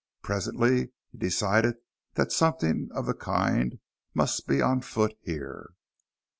Presently he decided that something of the kind must be on foot here.